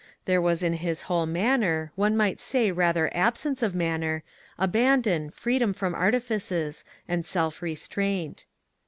There was in his whole manner — one might say rather absence of manner — abandon, freedom from artifices, and self restraint.